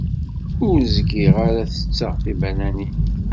Ur zgiɣ ara tetteɣ tibananin.